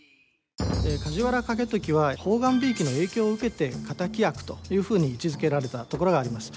梶原景時は判官びいきの影響を受けて敵役というふうに位置づけられたところがあります。